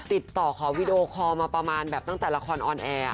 ติดต่อขอวีดีโอคอลมาประมาณแบบตั้งแต่ละครออนแอร์